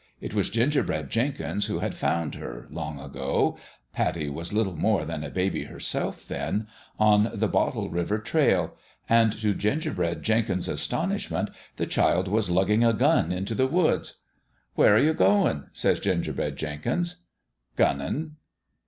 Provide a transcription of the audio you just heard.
It was Gingerbread Jenkins who had found her, long ago Pattie was little more than a baby herself, then on the Bottle River Trail ; and to Gingerbread Jenkins' astonishment the child was lugging a gun into the woods. " Where you goin' ?" says Gingerbread Jenkins. "Gunnin'."